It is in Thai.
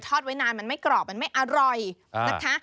ไว้นานมันไม่กรอบมันไม่อร่อยนะคะ